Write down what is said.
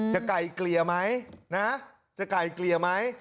ไก่เกลี่ยไหมนะจะไก่เกลี่ยไหม